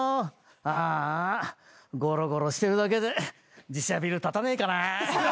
あーあごろごろしてるだけで自社ビル建たねえかな。